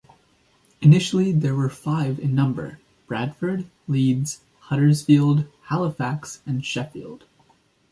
Initially there were five in number: Bradford, Leeds, Huddersfield, Halifax, and Sheffield.